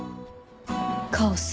カオス。